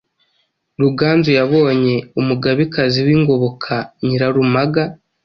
Rugazu yabonye umugabekazi w’ingoboka Nyirarumaga